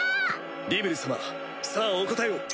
リムル様さぁお答えを！